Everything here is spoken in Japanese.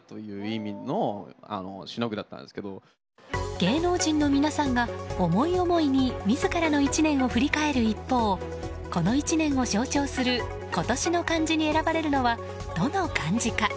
芸能人の皆さんが思い思いに自らの１年を振り返る一方この１年を象徴する今年の漢字に選ばれるのはどの漢字か。